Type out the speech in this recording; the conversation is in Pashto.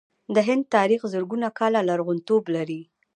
د هند تاریخ زرګونه کاله لرغونتوب لري.